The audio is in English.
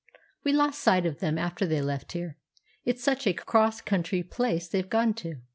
We lost sight of them after they left here—it's such a cross country place they've gone to.